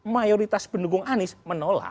mayoritas pendukung anies menolak